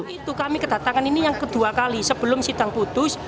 itu kami kedatangan ini yang kedua kali sebelum sidang putus